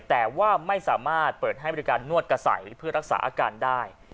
แต่ว่าไม่สามารถเปิดให้บริการนวดกระใสเพื่อรักษาอาการได้